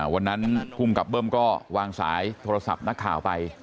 วันนั้นภูมิกับเบิ้มก็วางสายโทรศัพท์นักข่าวไป